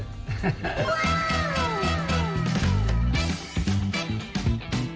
ฮ่า